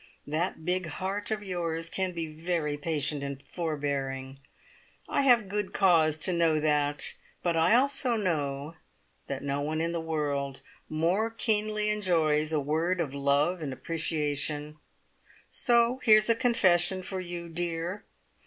That big heart of yours can be very patient and forbearing. I have good cause to know that, but I also know that no one in the world more keenly enjoys a word of love and appreciation, so here's a confession for you, dear.